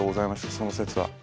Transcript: その節は。